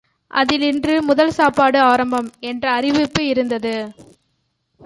அதில் இன்று முதல் சாப்பாடு ஆரம்பம்! என்ற அறிவிப்பு இருந்தது.